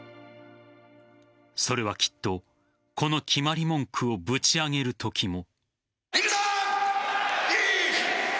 それはきっとこの決まり文句をぶち上げるときも。